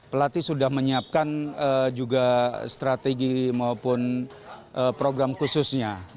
pelatih sudah menyiapkan juga strategi maupun program khususnya